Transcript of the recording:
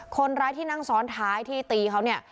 คนร้ายที่นั่งซ้อนท้ายที่ตีเขาเนี่ย